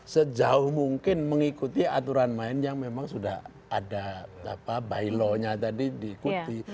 sejauh mungkin mengikuti aturan lain yang memang sudah ada bylaw nya tadi diikuti